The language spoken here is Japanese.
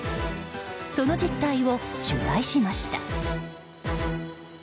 その実態を取材しました。